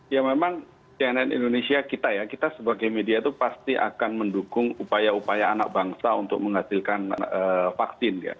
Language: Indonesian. ya memang cnn indonesia kita ya kita sebagai media itu pasti akan mendukung upaya upaya anak bangsa untuk menghasilkan vaksin ya